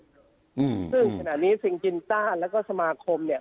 ซึ่งขณะนี้ซิงจินต้าแล้วก็สมาคมเนี่ย